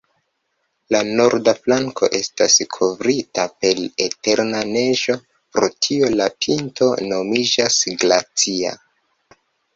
La norda flanko estas kovrita per eterna neĝo, pro tio la pinto nomiĝas glacia.